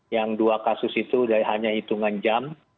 yang dua kasus itu hanya hitungan jam